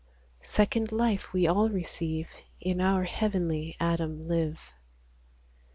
Second life we all receive, In our heavenly Adam live.